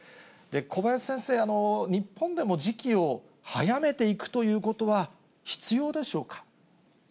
小林先生、日本でも時期を早めていくということは必要でしょうか。